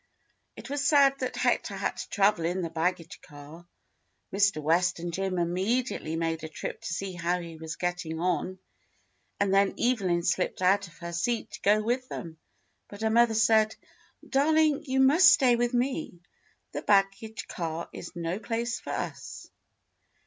It was sad that Hector had to travel in the baggage car. Mr. W^est and Jim immediately made a trip to see how he was getting on, and then Evelyn slipped out of her seat to go with them, but her mother said, "DarHng, you must stay with me; the baggage car is no place for us."